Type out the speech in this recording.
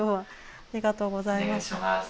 ありがとうございます。